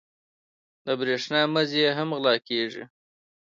د برېښنا مزي یې هم غلا کېږي.